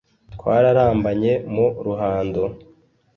twararambanye mu ruhando,